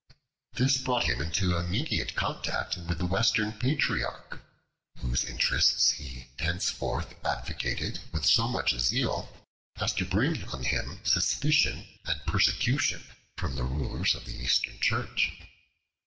This brought him into immediate contact with the Western Patriarch, whose interests he henceforth advocated with so much zeal as to bring on him suspicion and persecution from the rulers of the Eastern Church.